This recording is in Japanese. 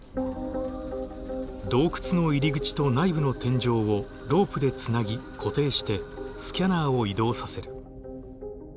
洞窟の入り口と内部の天井をロープでつなぎ固定してスキャナーを移動させる。